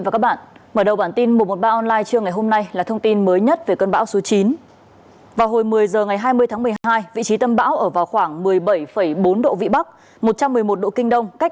cảm ơn các bạn đã theo dõi